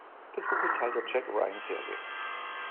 Das Buch ist Teil der Jack-Ryan-Serie.